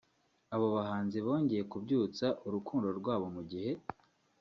Aba bahanzi bongeye kubyutsa urukundo rwabo mu gihe